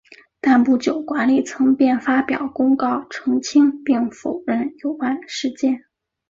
但不久管理层便发表公告澄清并否认有关事件。